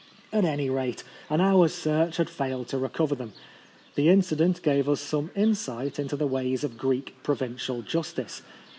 At any rate, an hour's search had failed to recover them. The incident gave us some insight into the ways of Greek provincial justice.